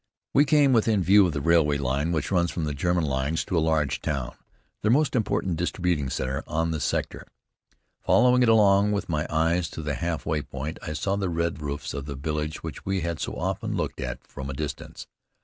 We came within view of the railway line which runs from the German lines to a large town, their most important distributing center on the sector. Following it along with my eyes to the halfway point, I saw the red roofs of the village which we had so often looked at from a distance.